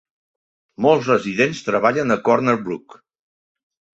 Molts residents treballen a Corner Brook.